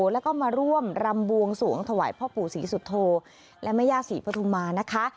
แล้วก็มาร่วมรำบวงสวงถวายพ่อปู่ศรีสุโธและแม่ย่าศรีปฐุมานะคะ